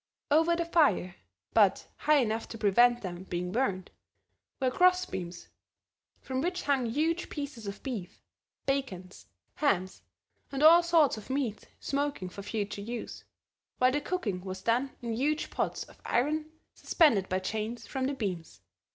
Over the fire, but high enough to prevent them being burned, were cross beams from which hung huge pieces of beef, bacons, hams and all sorts of meat smoking for future use, while the cooking was done in huge pots of iron suspended by chains from the beams.